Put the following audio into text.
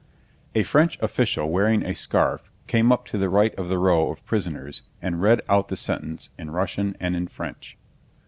A French official wearing a scarf came up to the right of the row of prisoners and read out the sentence in Russian and in French.